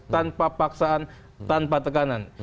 tanpa paksaan tanpa tekanan